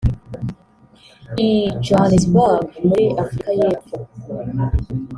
i Johannesburg muri Afurika y’Epfo